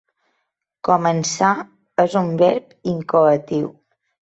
'Començar' és un verb incoatiu.